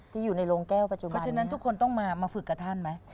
อยู่ในโรงแก้วปัจจุบันเพราะฉะนั้นทุกคนต้องมาฝึกกับท่านไหม